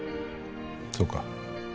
そうか。